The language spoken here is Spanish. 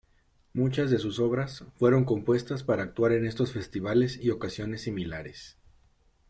Muchas de sus obras fueron compuestas para actuar en estos festivales y ocasiones similares.